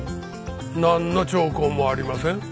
なんの兆候もありません。